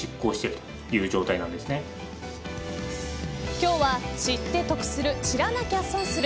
今日は知って得する知らなきゃ損する